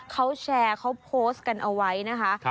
เขาแชร์เขาโพสต์กันเอาไว้นะคะ